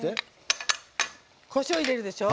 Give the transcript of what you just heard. こしょう入れるでしょ。